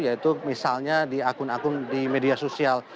yaitu misalnya di akun akun di media sosial